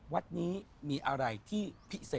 วัดนี้มีอะไรที่พิเศษ